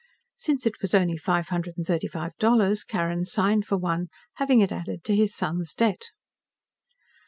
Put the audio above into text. Since it was only five hundred and thirty five dollars, Carrin signed for one, having it added to his son's debt.